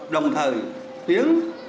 đồng thời tiếng